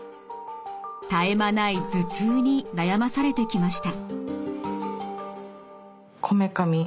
絶え間ない頭痛に悩まされてきました。